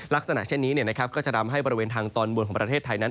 ลักษณะเช่นนี้ก็จะทำให้บริเวณทางตอนบนของประเทศไทยนั้น